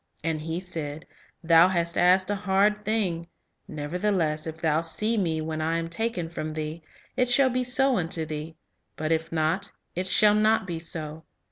And he said, Thou hast asked a hard thing; nevertheless, if thou see me when I am taken from thee, it shall be so unto thee; but if not, it shall not be so.